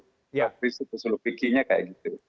faisal khusus lopikinya kayak gitu